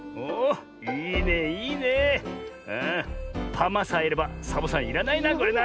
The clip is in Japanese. パマさえいればサボさんいらないなこれな。